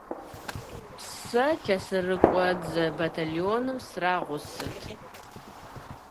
Сэ лъэсырыкӀуэдзэ батальоным срагъусэт.